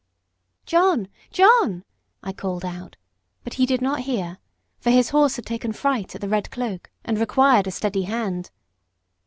"John! John!" I called out, but he did not hear, for his horse had taken fright at the red cloak, and required a steady hand.